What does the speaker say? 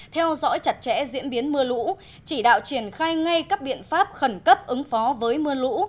theo dõi chặt chẽ diễn biến mưa lũ chỉ đạo triển khai ngay các biện pháp khẩn cấp ứng phó với mưa lũ